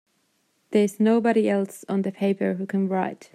There's nobody else on the paper who can write!